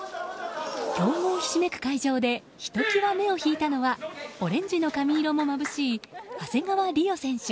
強豪ひしめく会場でひときわ目を引いたのはオレンジの髪色もまぶしい長谷川理央選手。